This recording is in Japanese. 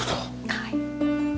はい。